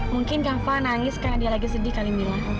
mungkin kak fah nangis karena dia lagi sedih kali ini